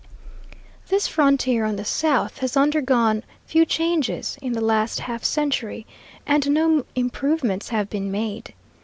This frontier on the south has undergone few changes in the last half century, and no improvements have been made.